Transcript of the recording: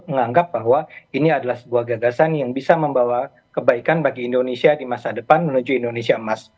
menganggap bahwa ini adalah sebuah gagasan yang bisa membawa kebaikan bagi indonesia di masa depan menuju indonesia emas